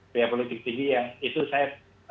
biaya politik tinggi yang itu saya